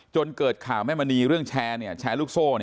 จนเกิดข่าวแม่มณีเรื่องแชร์